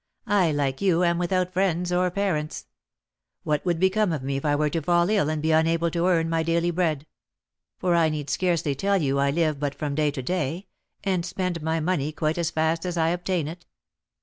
I, like you, am without friends or parents; what would become of me if I were to fall ill and be unable to earn my daily bread, for I need scarcely tell you I live but from day to day, and spend my money quite as fast as I obtain it?"